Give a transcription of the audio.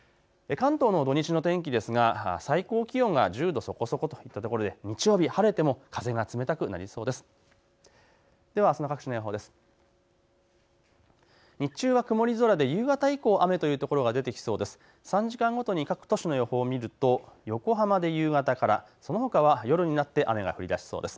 関東の土日の天気ですが最高気温が１０度そこそこといった所で日曜日、晴れても風が冷たくなりそうです。